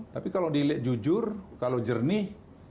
tapi kalau dilihat jujur kalau jernih